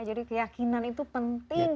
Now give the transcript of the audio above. jadi keyakinan itu penting